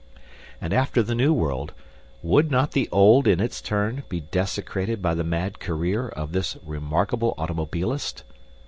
And after the New World, would not the Old in its turn, be desecrated by the mad career of this remarkable automobilist?